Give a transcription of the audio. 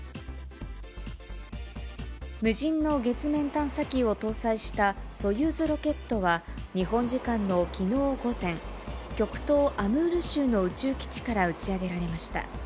無人の月面探査機を搭載したソユーズロケットは、日本時間のきのう午前、極東アムール州の宇宙基地から打ち上げられました。